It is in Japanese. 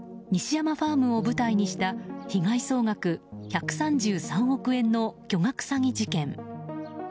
西山ファームを舞台にした被害総額１３３億円の巨額詐欺事件。